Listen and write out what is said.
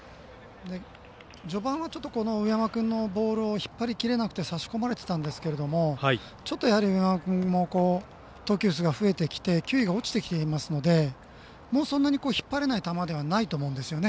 序盤はちょっと上山君のボールを引っ張りきれなくて差し込まれていたんですけどもちょっと上山君も投球数も増えてきて球威が落ちてきていますのでもうそんなに引っ張れない球ではないと思うんですね。